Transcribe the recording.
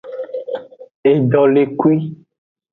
Edolekui.